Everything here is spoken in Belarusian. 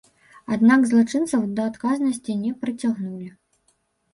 Аднак злачынцаў да адказнасці не прыцягнулі.